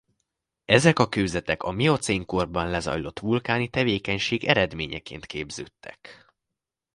Ezek a kőzetek a miocén korban lezajlott vulkáni tevékenység eredményeként képződtek.